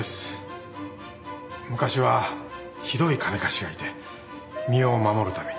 昔はひどい金貸しがいて身を守るために。